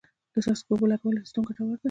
د څاڅکي اوبو لګولو سیستم ګټور دی.